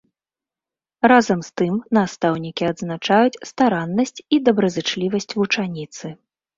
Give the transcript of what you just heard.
Разам з тым настаўнікі адзначаюць стараннасць і добразычлівасць вучаніцы.